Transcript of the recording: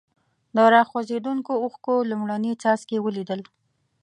د را خوځېدونکو اوښکو لومړني څاڅکي ولیدل.